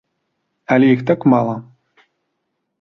Але іх так мала.